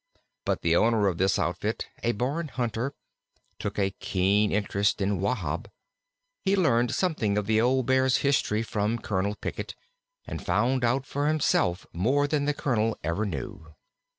But the owner of this outfit, a born hunter, took a keen interest in Wahb. He learned something of the old Bear's history from Colonel Pickett, and found out for himself more than the colonel ever knew.